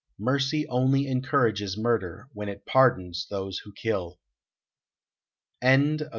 Mercy only encourages murder when it pardons those who kill." "Banished!"